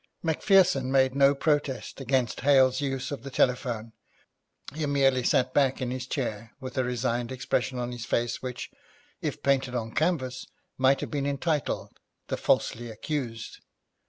Macpherson made no protest against Hale's use of the telephone; he merely sat back in his chair with a resigned expression on his face which, if painted on canvas, might have been entitled 'The Falsely Accused.'